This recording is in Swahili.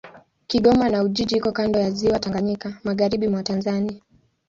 Kigoma na Ujiji iko kando ya Ziwa Tanganyika, magharibi mwa Tanzania.